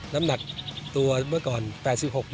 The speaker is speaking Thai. น้ำหนักตัวเมื่อก่อน๘๖